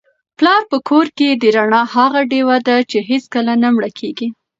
پلار په کور کي د رڼا هغه ډېوه ده چي هیڅکله نه مړه کیږي.